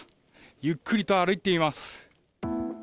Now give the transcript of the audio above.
ゆっくりと歩いています。